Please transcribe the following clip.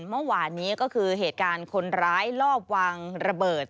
เมื่อวานนี้ก็คือเหตุการณ์คนร้ายลอบวางระเบิด